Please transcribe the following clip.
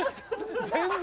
全然。